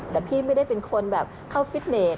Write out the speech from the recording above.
แต่พี่ไม่ได้เป็นคนแบบเข้าฟิตเนส